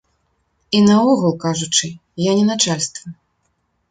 І наогул кажучы, я не начальства!